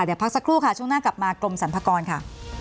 เดี๋ยวพักสักครู่ค่ะช่วงหน้ากลับมากรมสรรพากรค่ะ